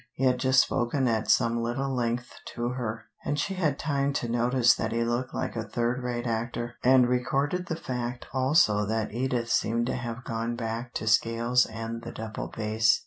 He had just spoken at some little length to her, and she had time to notice that he looked like a third rate actor, and recorded the fact also that Edith seemed to have gone back to scales and the double bass.